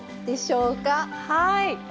はい。